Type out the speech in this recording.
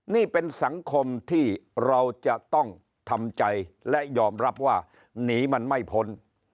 นี่เป็นสังคมที่เราจะต้องทำใจและยอมรับว่าหนีมันไม่พ้น